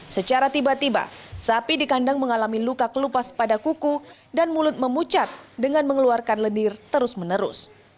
secara tiba tiba sapi di kandang mengalami luka kelupas pada kuku dan mulut memucat dengan mengeluarkan lendir terus menerus